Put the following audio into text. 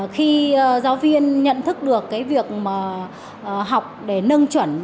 khi giáo viên nhận thức được việc học để nâng trần